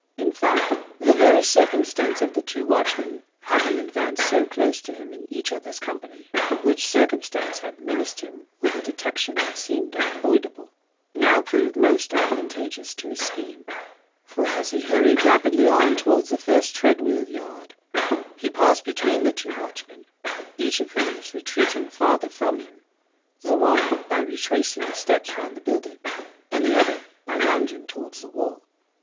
In fact, the very circumstance of the two watchmen having advanced so close to him in each other's company,—which circumstance had menaced him with a detection that seemed unavoidable,—now proved most advantageous to his scheme; for as he hurried rapidly on towards the first tread wheel yard, he passed between the two watchmen, each of whom was retreating farther from him, the one by retracing his steps round the building, and the other by lounging towards the wall.